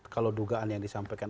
kalau dugaan yang disampaikan